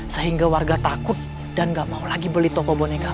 sehingga warga takut dan nggak mau lagi beli toko boneka